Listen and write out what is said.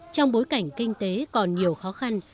trong bối cảnh kinh tế còn nhiều khó khăn